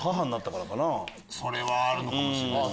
それはあるのかもしれないです。